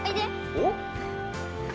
おっ。